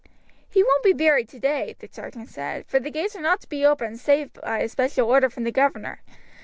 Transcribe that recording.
"He won't be buried today," the sergeant said; "for the gates are not to be opened save by a special order from the governor.